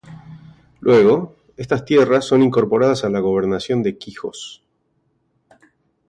Luego, estas tierras son incorporadas a la Gobernación de Quijos.